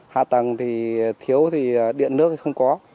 hạ tầng thì thiếu thì điện nước không có